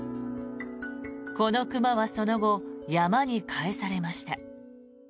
この熊はその後山に返されました。